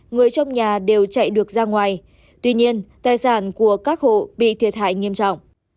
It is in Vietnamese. người trong nhà đều chạy được ra ngoài tuy nhiên tài sản của các hộ bị thiệt hại nghiêm trọng